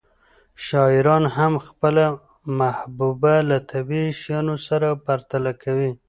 شاعران هم خپله محبوبه له طبیعي شیانو سره پرتله کوي